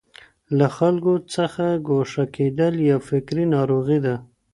له خلګو څخه ګوښه کېدل يو فکري ناروغي ده.